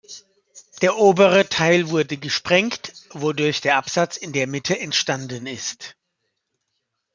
Der obere Teil wurde gesprengt, wodurch der Absatz in der Mitte entstanden ist.